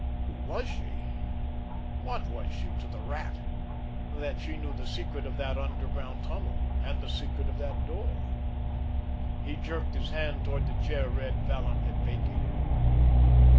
Who was she? What was she to the Rat, that she knew the secret of that underground tunnel, and the secret of that door? He jerked his hand toward the chair Red Vallon had vacated.